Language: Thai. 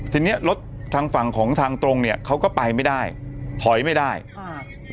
ทีเนี้ยรถทางฝั่งของทางตรงเนี้ยเขาก็ไปไม่ได้ถอยไม่ได้อ่า